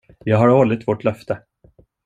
Jag har hållit vårt löfte.